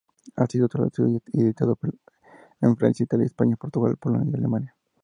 Ha sido traducido y editado en Francia, Italia, España, Portugal, Polonia y Alemania.